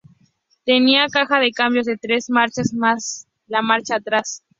Tenía caja de cambios de tres marchas más la marcha atrás.